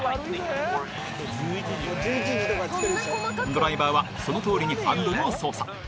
ドライバーはそのとおりにハンドルを操作。